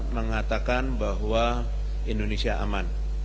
mengatakan bahwa indonesia aman